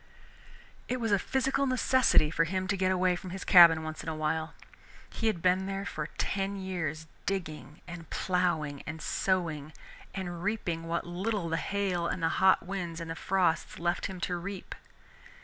It was a physical necessity for him to get away from his cabin once in a while. He had been there for ten years, digging and plowing and sowing, and reaping what little the hail and the hot winds and the frosts left him to reap.